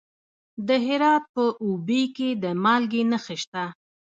د هرات په اوبې کې د مالګې نښې شته.